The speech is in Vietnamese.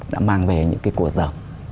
đã mang về những cái cuộc dở